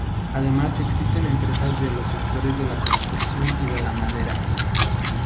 Además existen empresas de los sectores de la construcción y de la madera.